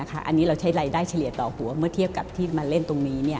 อันนี้เราใช้รายได้เฉลี่ยต่อหัวเมื่อเทียบกับที่มาเล่นตรงนี้